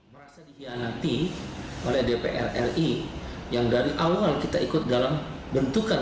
merasa dihianati oleh dpr ri yang dari awal kita ikut dalam bentukan